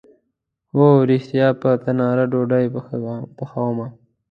هو ریښتیا، په تناره ډوډۍ پخومه